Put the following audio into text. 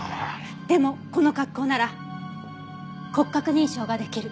でもこの格好なら骨格認証が出来る。